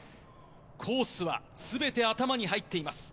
コースはすべて頭に入っています。